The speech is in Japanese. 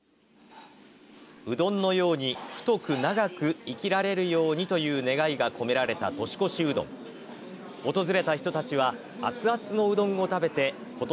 うどんのように太く長く生きられるようにという願いが込めら３８８３校の頂点へ。